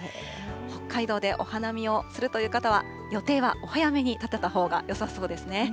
北海道でお花見をするという方は、予定はお早めに立てたほうがよさそうですね。